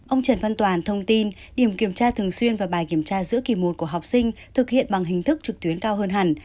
ông trần văn toàn thông tin điểm kiểm tra thường xuyên và bài kiểm tra giữa kỳ một của học sinh thực hiện bằng hình thức trực tuyến cao hơn hẳn